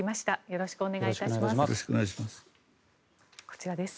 よろしくお願いします。